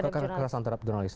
kekerasan terhadap jurnalis